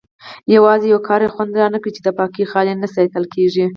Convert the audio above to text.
یوازې یو کار یې خوند رانه کړ چې د پاکۍ خیال نه ساتل کېږي.